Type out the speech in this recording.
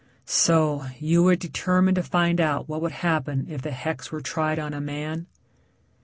"So, you were determined to find out what would happen if the hex were tried on a man?"